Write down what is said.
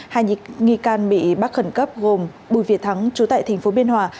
hai nghi can bị bắt khẩn cấp gồm bùi việt thắng chú tại tp biên hòa